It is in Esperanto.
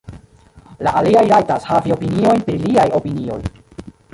La aliaj rajtas havi opiniojn pri liaj opinioj.